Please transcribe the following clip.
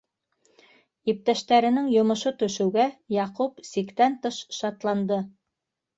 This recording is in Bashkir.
Иптәштәренең йомошо төшөүгә Яҡуп сиктән тыш шатланды.